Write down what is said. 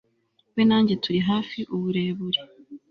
We na njye turi hafi uburebure